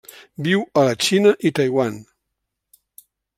Viu a la Xina i Taiwan.